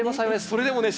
それでもね